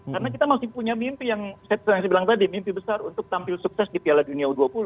karena kita masih punya mimpi yang saya bilang tadi mimpi besar untuk tampil sukses di piala dunia u dua puluh